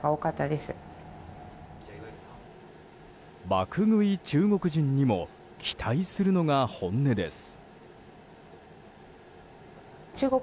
爆食い中国人にも期待するのが本音です。